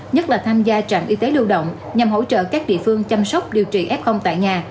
nhất là tham gia trạm y tế lưu động nhằm hỗ trợ các địa phương chăm sóc điều trị f tại nhà